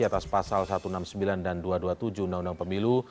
atas pasal satu ratus enam puluh sembilan dan dua ratus dua puluh tujuh undang undang pemilu